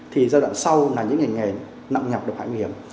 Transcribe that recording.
thì giai đoạn sau là những ngành nghề nặng nhập độc hại nguy hiểm